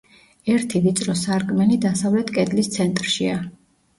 ერთი ვიწრო სარკმელი დასავლეთ კედლის ცენტრშია.